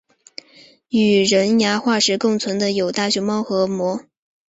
与人牙化石共存的有大熊猫和貘。